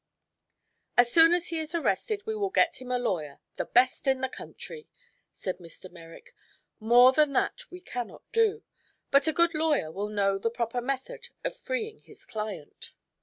"As soon as he is arrested we will get him a lawyer the best in this country," said Mr. Merrick. "More than that we cannot do, but a good lawyer will know the proper method of freeing his client."